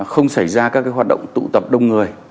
không xảy ra các hoạt động tụ tập đông người